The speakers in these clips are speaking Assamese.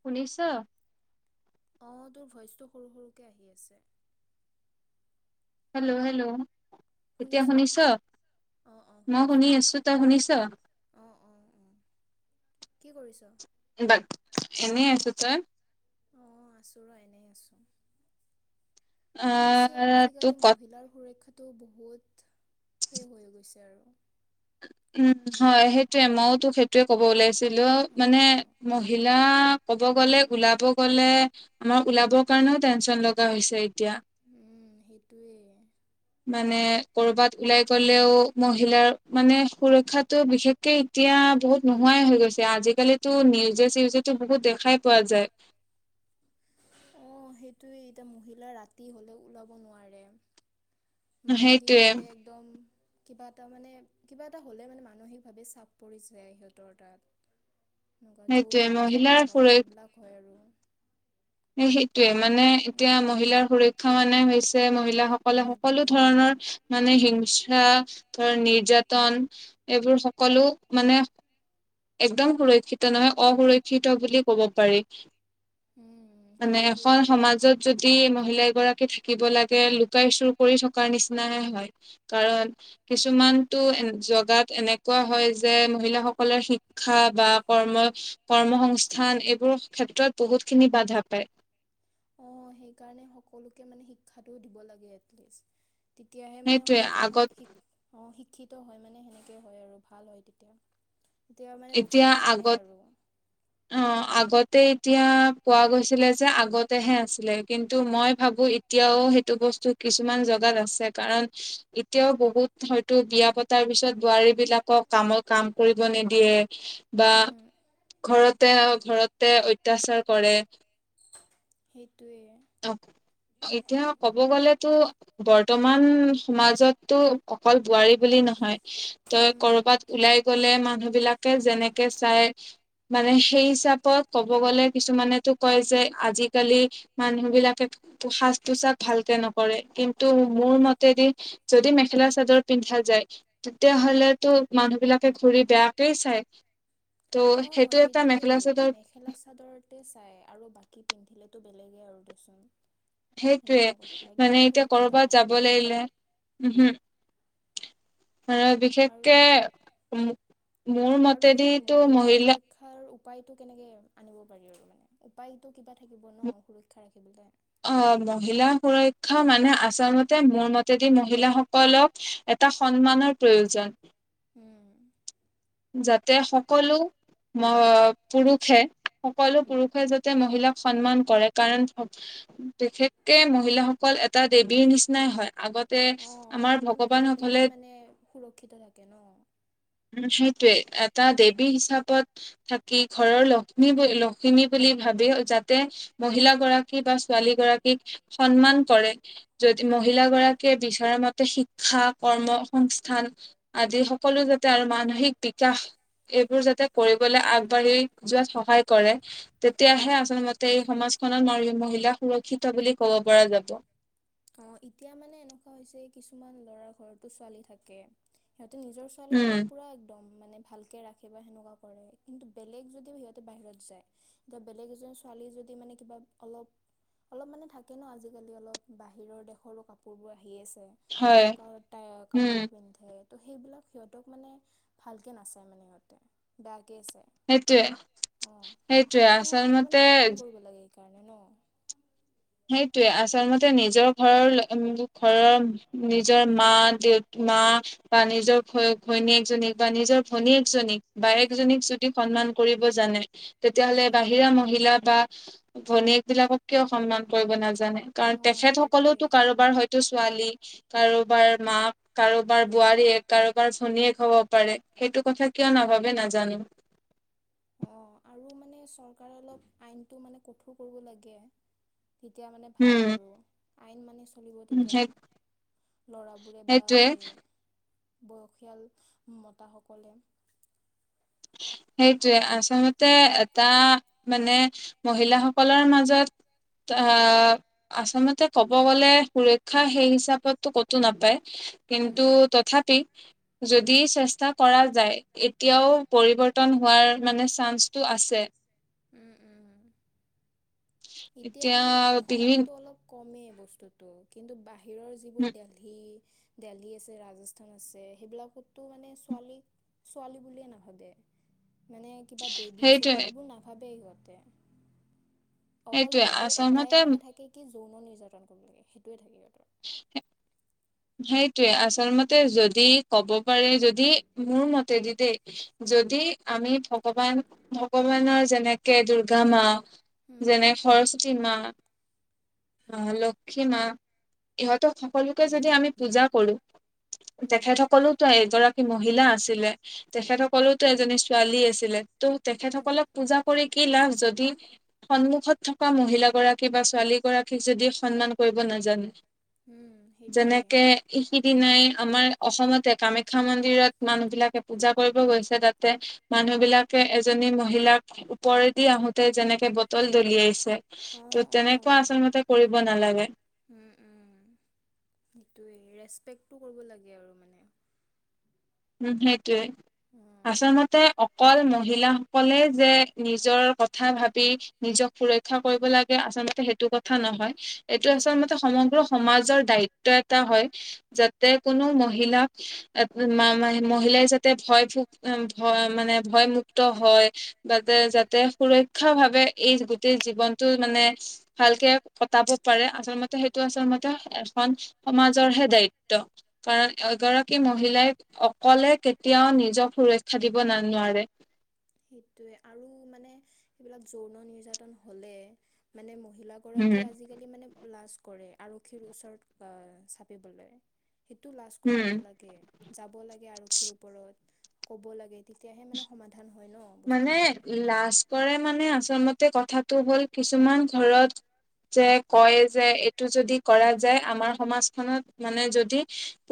শুনিছ'? মোৰ দৰে ভইচটো সৰু, সৰুকৈ আহি আছে। হেল্ল' হেল্ল' এতিয়া শুনিছ'? অ', অ', মই শুনিচো, শুনি আছো শুনিচো তই শুনিছ? অ', অ', অ'। কি কৰিছ'? এনেই আছো, তই? অ' আছো ৰ' এনেই আছো। পিছে আহ তোক আজিকালি ক মহিলাৰ সুৰক্ষাত টো বহুত শেষ হৈ গৈছে আৰু। উম, হয় সেইটোয়ে, মইওতো সেইটোয়ে ক'ব ওলাইছিলো মানে অঁ মহিলা ক'ব গ'লে ওলাব গ'লে আমাৰ ওলাব কাৰণেও টেনচন লগা হৈছে এতিয়া। উম, সেইটোৱে। মানে কৰ'বাত ওলাই গ'লেও মহিলাৰ মানে সুৰক্ষাটো বিশেষকে এতিয়া বহুত নোহোৱাই হৈ গৈছে আজিকালিতো নিউজে চিউজে বহুত দেখাই পোৱা যায়। সেইটোয়ে এতিয়া মহিলা ৰাতি হ'লে ওলাব নোৱাৰে। সেইটোয়ে মানসিকভাৱে একদম কিবা এটা মানে কিবা এটা হ'লে মানে মানসিকভাৱে চাপ পৰি যায় সিহঁতৰ তাত। যৌন সেইটোয়ে মহিলাৰ -নিৰ্যাতন সুৰ হয় এইবিলাক হয় আৰু। এ সেইটোয়ে মানে এতিয়া উম মহিলাৰ সুৰক্ষা মানে হৈছে মহি হিলাসকলে উম সকলো উম ধৰণৰ মানে হিং সা ধৰা নিৰ্যাতন এইবোৰ সকলো মানে একদম সুৰক্ষিত নহয় অসুৰক্ষিত বুলি ক'ব পাৰি। উম মানে সেইটোৱে এখন সমাজত যদি মহিলাই [unintelligible] গৰাকী থাকিব লাগে, লুকাই চুৰ কৰি থকাৰ নিচিনে হয় কাৰণ কিছুমান টো কিছুমান জগাত এনেকুৱা হয় যে মহিলা সকলৰ শি ক্ষা বা কৰ্ম কৰ্মসংস্থান এইবোৰ ক্ষেত্ৰত বহুত খিনি বাধা পায়। [inaudible] অ' সেইকাৰনে সকলোকে মানে শিক্ষাটো দিব লাগে। তেতিয়াহে মানে সেইটোয়ে অলপ আগত শিক্ষা অ' শি শিক্ষিত হয় মানে সেনেকে হয় আৰু ভাল হয় তেতিয়া। তেতিয়া মানে এতিয়া বস্তুবোৰ জানে আগত আৰু অ' আগতেই এতিয়া কোৱা গৈছিলে যে আগতেহে আছিলে, কিন্তু মই ভাবো এতিয়াও সেইটো বস্তুত কিছুমান জগাত আছে কাৰণ এতিয়াও বহুত হয়তো বিয়া পতাৰ পিছত বোৱাৰী বিলাকক কামৰ কাম কৰিব নিদ নিদিয়ে বা উম ঘৰতে-ঘৰতে অত্যাচাৰ কৰে। [inaudible] অ' এতিয়া ক'ব গলেতো বৰ বৰ্তমান সমাজতটো অকল বোৱাৰী বুলি নহয়। তই ক'ৰবাত উম। ওলাই গ'লে মানুহ বিলাকে যেনেকে চাই মানে সেই হিচাপত ক'ব গ'লে কিছুমানেতো কয় যে আজিকালি মানুহ বিলাকে সাজ -পোছাক ভালকে নকৰে, কিন্তু মোৰ মতেদি যদি মেখে খেলা -চাদৰ পিন্ধা যায়, তেতিয়াহ'লেটো মানুহ বিলাকে ঘুৰি বেয়াকেই চায়। অ' সেইটোৱেই, মেখেলা- চাদৰতে চাই আৰু বাকী পিন্ধিলে সেইটো বেলেগে আৰু দে চোন। সেইটোৱেই মানে এতিয়া ক'ৰবাত নাই যাব মানে। লাগিলে, উহু। আৰু আৰু বিশেষকে মোৰ আৰু সেই মতেদিটো মহিলা সুৰক্ষাৰ উপায়টো কেনেকে আনিব পাৰি আৰু মানে উপায়টো কিবা থাকিব ন সুৰক্ষা ৰাখিবলৈ অ' মহিলা পৰাই মানে আচলতে মোৰ মতেদি মহিলাসকলক এটা সন্মানৰ প্ৰয়োজন। উম যাতে সকলো ম পুৰুষে সকলো উম পুৰুষে যাতে মহিলাক সন্মান কৰে কাৰণ, বিশেষকে মহিলাসকল এটা দেৱীৰ নিচিনাই হয়, আগত অ' সন্মান কৰিলেহে মানে সুৰক্ষিত থাকে ন। উম, সেইটোৱে এটা অ দেৱী হিচাপত থাক কি ঘৰৰ লক্ষ্মী বুলি লক্ষিমী বুলি ভাবি যাতে মহিলাগৰাকী বা ছোৱালী গৰা কীক সন্মান কৰে, যদি মহিলাগৰাকীয়ে বিচৰা মতে শিক্ষা কৰ্ম সংস্থান আদি সকলো যাতে আৰু মানসিক বিকাশ এইবোৰ যাতে কৰিবলৈ আগবাঢ়ি যোৱাত সহায় কৰে, তেতিয়াহে আচলমতে এই সমাজ খনত মহিলা সুৰক্ষিত বুলি ক'ব পৰা যাব। অ এতিয়া মানে এনেকুৱা হৈছে কিছুমান লৰাৰ ঘৰতো ছোৱালী থাকে সিহঁতে নিজৰ উম ছোৱালীজনীক পুৰা একদম মানে ভালকে ৰাখে বা সেনেকুৱা কৰে। কিন্তু বেলেগ যদি সিহঁতে বাহিৰত যায়। ত' বেলেগ এজনী ছোৱালী মানে যদি মানে কিবা অলপ, অলপ মানে থাকে ন আজিকালি অলপ বাহিৰৰ দেশৰো কাপোৰবোৰ আহি আছে। হয় সেনেকুৱা উম কাপোৰো পিন্ধে তো সেইবিলাক সিহঁতক মানে ভালকৈ নাচায় মানে সিহঁতে। বেয়া সেইটোৱে অ সেইটোৱে সেইটো মানে আচলমতে সন্মান কৰিব লাগে সেইকাৰণে ন সেইটোয়ে। আচলমতে নিজৰ ঘৰৰ ঘৰৰ নিজৰ মা দেউতা মা বা নিজৰ ঘৈণীজনীক বা নিজৰ ভনীয়েকজনীক, বায়েকজনীক যদি সন্মান কৰি কৰিব জানে তেতিয়াহলে উম বাহিৰা মহিলা বা ভনীয়েক বিলাকক কিয় সন্মান কৰিব নাজানে কাৰণ অঁ তেখেত সেইটোৱে সকলেতো কাৰোবাৰ হয়তো ছোৱালী কাৰোবাৰ মাক, কাৰোবাৰ বোৱাৰীয়েক, কাৰোবাৰ ভনীয়েক হ'ব পাৰে সেইটো কথা ক কিয় নাভাবে নাজানিম অ আৰু মানে চৰকাৰে অলপ আইনটো মানে কঠোৰ কৰিব লাগে তেতিয়া মানে উম ভাল আৰু আইন মানে চলিব তেতিয়া। সেই ল'ৰাবোৰে বা সেইটোৱে এই বয়সীয়াল মতাসকলে [unintelligible] সেইটোৱে, আচলতে এটা মানে মহিলাসকলৰ মাজত অ আচলতে ক'ব গ'লে সুৰক্ষা সেই হিচাপতটো কতো নাপায় কিন্তু উম তথাপি যদি চেষ্টা কৰা যায় এতিয়াও পৰিৱৰ্তন হোৱাৰ মানে চান্সটো আছে উম উম এতিয়া মানে অসমতটো অলপ কমেই বস্তুতটো। কিন্তু বাহিৰত বাহিৰৰ যিবোৰ দেলহি দেলহি আছে, ৰাজস্থান আছে সেইবিলাকতো মানে ছোৱালী ছোৱালী বুলিয়ে নাভাবে মানে কিবা দেৱী চেৱী সেইটোৱে এইবোৰ নাভাবেই সিহঁতে অকল সেইটোৱে সিহঁতৰ আচলমতে এটাই মানে থাকে কি যৌন নিৰ্যাতন কৰিব লাগে। সেইটোয়ে থাকে সিহঁত [unintelligible] সেইটোৱে আচলমতে উম যদি ক'ব পাৰে, যদি মোৰ মতে দেই। যদি আমি ভগৱান, ভগৱানৰ যেনেকে দূৰ্গা মা উম যেনে সৰস্বতী মা আহ লক্ষী মা ইহঁত সকলো যদি আমি পূজা কৰো, তেখেত সকলোতো এগৰাকী মহিলা আছিলে তেখেতসকললেতো এজনী ছোৱালী আছিলে ত' উম অ তেখেতসকলক পূজা কৰি কি লাভ যদি সন্মুখত থকা মহিলাগৰাকী বা ছোৱালী গৰাকীক যদি সন্মান কৰিব নোৱাৰ নাজানে। উম। সেইটোৱে। যেনেকে ই সিদিনাই আমাৰ অসমতে কামাখ্যা মন্দিৰত মানুহ বিলাকে পূজা কৰিব গৈছে তাতে মানুহ বিলাকে এজনী মহিলাক ওপৰেদি আহোতে যেনেকে বটল দলিয়াইছে! অ', ত' তেনেকুৱা অ'। আচলতে কৰিব নালাগে। উম, উম, সেইটোৱে ৰেছপেক্টো কৰিব লাগে আৰু মানে উম সেইটোৱে উম, আচলতে অকল মহিলাাসকলে যে নিজৰ কথা ভাবি নিজক সুৰক্ষা কৰিব লাগে আচল সটো কথা নহয় এইটো উম, উম। আচলতে সমগ্ৰ সমাজ [unintelligible] সমাজৰ দায়িত্ব এটা হয় যাতে কোনো মহিলা আপোনাৰ মহিলাই যাতে ভয় ভ ভয় মানে ভয়মুক্ত হয় বা যাতে সুৰক্ষা ভাৱে এই গোটেই জীৱনটো মানে ভালকে কটাব পাৰে আচলতে সেইটো আচলতে এখন সমাজৰহে দায়িত্ব কাৰণ এগৰাকী মহিলাই অকলে কেতিয়াও নিজক সুৰক্ষা দিব ন নোৱাৰে। সেইটোৱে আৰু মানে এইবিলাক যৌন নিৰ্যাতন হলে মানে মহিলাগৰাকীয়ে আজিকালি মানে লাজ কৰে আৰক্ষীৰ ওচৰত আহ চাপিবলৈ। সেইটো লাজ কৰিব হম নালাগে যাব লাগে আৰক্ষীৰ ওপৰত ক'ব লাগে। তেতিয়াহে মানে সমাধান হয়। ন মানে বস্তুবোৰ লাজ কৰে মানে আচল মতে কথাটো হ'ল কিছুমান ঘৰত যে কয় যে এইটো যদি কৰা যায় আমাৰ সমাজখনত মানে যদি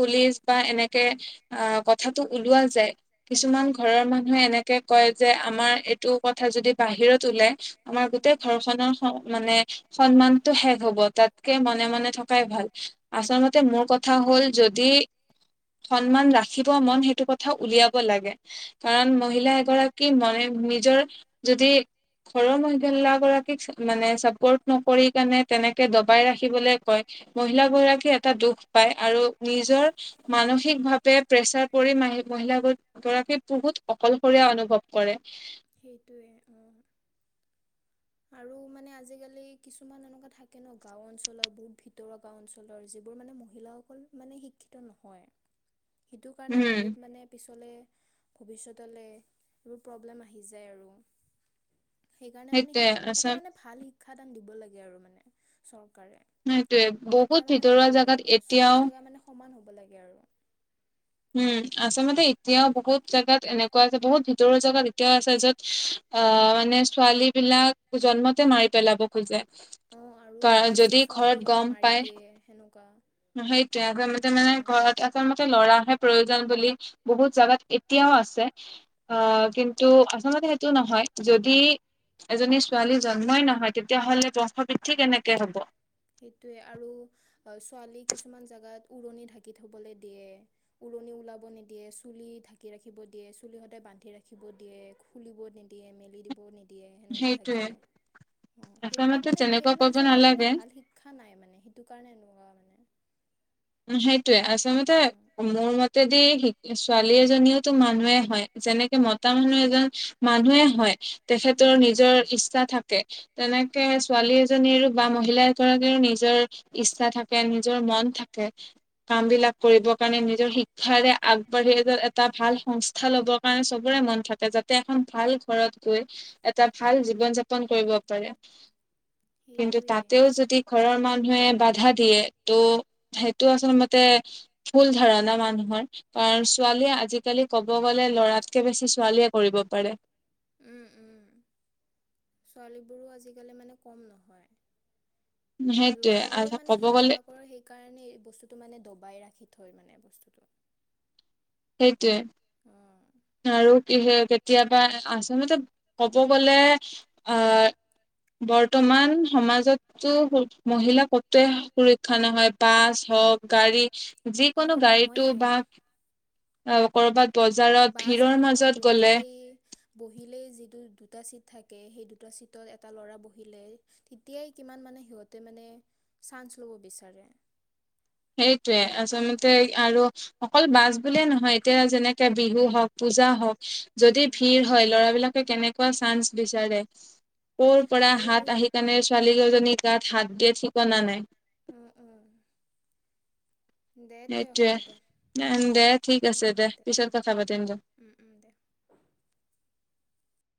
পুলিচ বা এনেকে অ কথাটো ওলোৱা যায় উম কিছুমান উম ঘৰৰ মানুহে এনেকে কয় যে আমাৰ এইটো কথা যদি বাহিৰত ওলাই। আমাৰ উম গোটেই ঘৰখনৰ মানে সন্মানতটো শেষ হ'ব তাত অ মনে মনে থকাই ভাল আচলতে মোৰ কথা হল যদি সন্মান ৰাখিব মন সেইটো কথা উলিয়াব লাগে কাৰণ মহিলা গৰাকী মনে নিজৰ যদি ঘৰৰ মহিলা গৰাকীক মানে চাপৰ্ট নকৰি কাৰণে তেনেকে দবাই ৰাখিবলে কয় উম মহিলাাগৰাকীয়ে এটা দুখ পায় আৰু নিজৰ মান মানসিকভাৱে প্ৰেছাৰ পৰি মহিলৰাক বহুত অকল অনুভৱ কৰে। সেইটোৱে অ আৰু মানে আজিকালি কিছুমান এনেকুৱা থাকে ন গাও অঞ্চলৰ বহুত ভিতৰুৱা গাও অঞ্চলৰ য ম মহিলা অকল মানে শিক্ষিত নহয় সেইটো কাৰণে উম বহুত মানে ভৱিষ্যতলৈ এইবোৰ প্ৰব্লেম আহি যায় আৰু। সেইকাৰণে মানে শ সেইটোয়ে এটা আচল মানে ভাল শিক্ষাদান দিব লাগে আৰু মানে চৰ কৰে সেইটোয়ে বহুত তেতিয়া মানে ভিতৰুৱা ভাল আৰু জাগাত মানে চব এতিয়াও জাগা মানে সমান হ'ব। লাগে আৰু উম, আচলতে এতিয়াও বহুত জাগাত এনেকুৱা আছে বহুত ভিতৰুৰ জোগাত এতিয়াও আছে য'ত অ, মানে ছোৱালী বিলাক জন্মতে মাৰি পেলাব খোজে। অ, আৰু কাৰ- বেছি যদি ছোৱালী হলে মাৰি দিয়ে সেনেকুৱা সেইটোয়ে আচলতে অ মানে ঘৰত আচলতে ল'ৰাহে প্ৰয়োজন বুলি বহুত জোগাত এতিয়াও আছে অ, কিন্তু আচলতে সেইটো নহয়। যদি এজনী ছোৱালী জন্মই নহয় তেতিয়াহলে বংশ বৃদ্ধি কেনেকে হব। সেইটোয়ে আৰু ছোৱালী কিছুমান জোগাত উৰণি থাকে। কি থবলৈ দিয়ে উৰণি ওলাব নিদিয়ে চুলি ঢাকি ৰাখিব দিয়ে চুলি সদায় বান্ধি ৰাখিব। দিয়ে খুলিব নিদিয়ে মেলি দিব নিদিয়ে। দিয়ে সেনেকুৱা সেইটোয়ে থাকে অ সেইবিলাক আচলতে মানে তেনেকুৱা সেইবিলাক কৰিব জোগাত মানে নালাগে ভাল শ মানে সেইটো কাৰণে এনেকুৱা মানে উম, সেইটোৱে আচলতে উম মোৰ মতে দি ছোৱালী এজনীওতো মানুহে হয় যেনেকে মতা মানুহ এজন মানুহে হয়। তেখেতৰ উম নিজৰ ইচ্ছা থাকে তেনেকে ছোৱালী এজনীৰো বা মহিলা এগৰাকীৰো নিজৰ ইচ্ছা থাকে নিজৰ মন থাকে। কাম বিলাক কৰিব কাৰণে নিজৰ শিক্ষাৰে আগবাঢ়ি এটা ভাল সংস্থা লব। কাৰণে চবৰে মন থাকে যাতে এখন ভাল ঘৰত গৈ এটা ভাল জীৱন যাপন কৰিব পাৰে। কিন্তু সেইটোৱে তাতেও যদি ঘৰৰ মানুহে বাধা দিয়ে তো সেইটো আচল মতে ভুল ধাৰণা মানুহৰ কাৰণ ছোৱালীয়ে আজিকালি ক'ব গ'লে ল'ৰাতকে বেছি ছোৱালীয়ে কৰিব পাৰে। উম - উম ছোৱালীবোৰো আজিকালি মানে কম নহয়। সেইটোয়ে লৰাবোৰে মানে ক'ব গ'লে হিংসা কৰে সেইকাৰণে এই বস্তুতটো মানে দবাই ৰাখি থই। থ মানে বস্তুটো। সেইটোৱ অ আৰু কি কেতিয়াবা আচলতে ক'ব গ'লে আহ বৰ্তমান সমাজতো মহিলা কতোৱে সুৰক্ষা নহয় বাছ গাড়ী অ যিকোনো গাড়ীটো নহয়ে বা কৰবাত বজাৰত বাছ ভিৰৰ এখনত মাজত গ'লে বহিলেই বহিলেই যিটো দুটা চিট [inaudible] সেই দু এটা লৰা বহিলে তেতিয়াই কি মানে সিহ মানে [inaudible] ল'ব বিচাৰে [inaudible] সেইটোয়ে সেনেকুৱা কথা আচলতে অ আৰু অকল বাছ বুলিয়ে নহয় এতিয়া যেনেকে বিহু হওক পূজা হওক যদি উম ভিৰ হয় লৰা বিলাক কেনেকুৱা চানস বিচাৰে কৰ পৰা আৰু হাত আহি কাৰণে ছোৱালী জনী গাত হাত দিয়ে ঠিকনা নাই। উম উম [inaudible] দে তে হ'ব সেইটোয়ে দে [inaudible] দে ঠিক আছে অ', দে অ', পিছত উম, কথা উম, পাতিম। [inaudible] উম, উম, দে